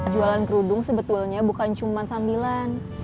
jualan kerudung sebetulnya bukan cuma sambilan